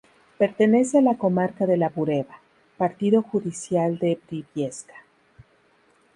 Pertenece a la comarca de La Bureba, partido judicial de Briviesca.